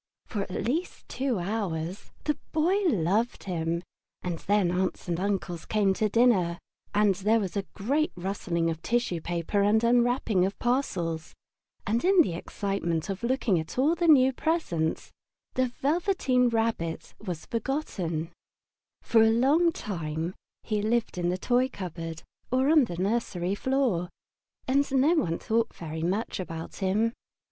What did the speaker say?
For at least two hours the Boy loved him, and then Aunts and Uncles came to dinner, and there was a great rustling of tissue paper and unwrapping of parcels, and in the excitement of looking at all the new presents the Velveteen Rabbit was forgotten. Christmas Morning For a long time he lived in the toy cupboard or on the nursery floor, and no one thought very much about him.